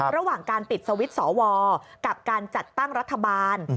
ระหว่างการปิดสวิตช์สวกับการจัดตั้งรัฐบาล